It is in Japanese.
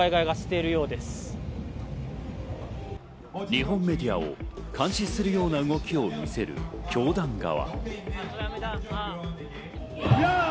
日本メディアを監視するような動きを見せる教団側。